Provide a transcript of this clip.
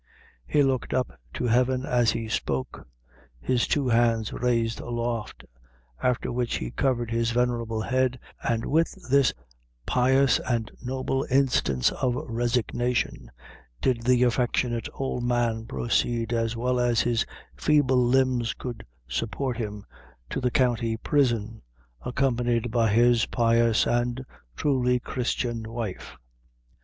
He looked up to heaven as he spoke, his two hands raised aloft; after which he covered his venerable head, and, with this pious and noble instance of resignation, did the affectionate old man proceed, as well as his feeble limbs could support him, to the county prison, accompanied by his pious and truly Christian wife.